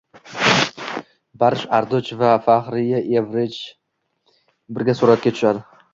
Barish Arduch va Fahriye Evjen birga suratga tushadi